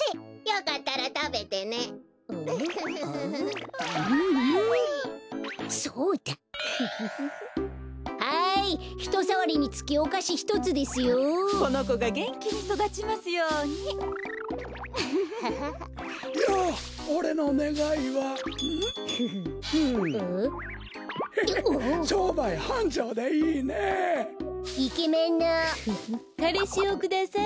かれしをください。